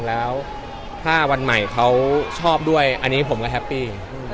แล้วถ้าวันใหม่เขาชอบด้วยอันนี้ผมก็แฮปปี้